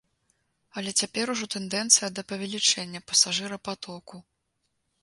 Але цяпер ужо тэндэнцыя да павелічэння пасажырапатоку.